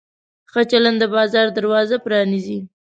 ښه چلند د بازار دروازه پرانیزي.